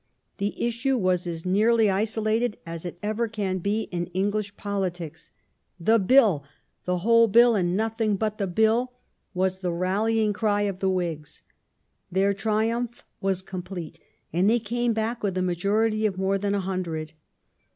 The issue was as nearly isolated as it ever can he in English politics. " The Bill, the whole Bill, and nothing but the Bill," was the rallying cry of the Whigs. Their triumph a\ complete, and they came back with a majority of more than u The hundred.